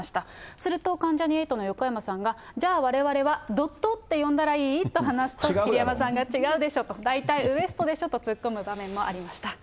すると、関ジャニ∞の横山さんが、じゃあ、われわれはドットって呼んだらいい？と話すと、桐山さんが、違うでしょ、大体ウエストでしょと突っ込む場面もありました。